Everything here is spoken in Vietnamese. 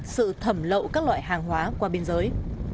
sự thẩm lậu các loại hàng hóa qua biên giới